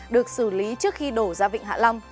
được xử lý trước khi đổ ra vịnh hạ long